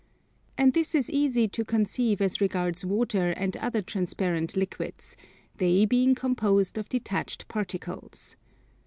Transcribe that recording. And this is easy to conceive as regards water and other transparent liquids, they being composed of detached particles.